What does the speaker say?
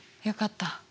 よかった。